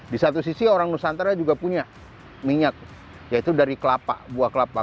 di satu sisi orang nusantara juga punya minyak yaitu dari kelapa buah kelapa